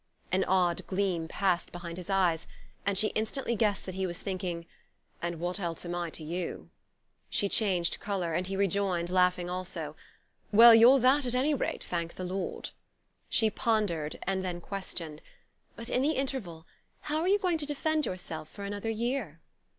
An odd gleam passed behind his eyes, and she instantly guessed that he was thinking: "And what else am I to you?" She changed colour, and he rejoined, laughing also: "Well, you're that at any rate, thank the Lord!" She pondered, and then questioned: "But in the interval how are you going to defend yourself for another year?"